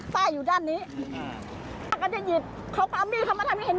ป้าอยู่ด้านนี้อ่าก็จะหยิดเขาก็เอามีดเขามาทำอย่างเงี้ย